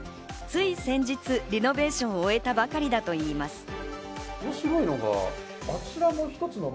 つい先日、リノベーションを終えたばかりだといいます。